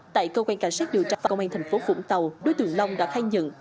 tại cơ quan cảnh sát điều tra công an thành phố vũng tàu đối tượng long đã khai nhận